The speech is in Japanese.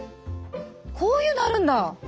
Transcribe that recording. こういうのあるんだ。